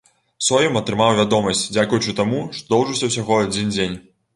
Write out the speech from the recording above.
Сойм атрымаў вядомасць дзякуючы таму, што доўжыўся ўсяго адзін дзень.